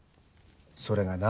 それがな。